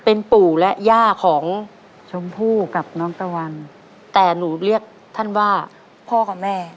เป็นปู่และย่าของชมพู่กับน้องตะวันแต่หนูเรียกท่านว่าพ่อกับแม่